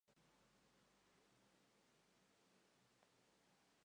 Paralelamente comienza un sostenido crecimiento del número de sus habitantes.